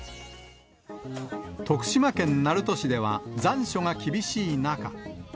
徳島県鳴門市では、残暑が厳しい中。